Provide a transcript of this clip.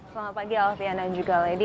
selamat pagi alfian dan juga lady